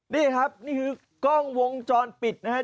นี่ครับนี่คือกล้องวงจรปิดนะครับ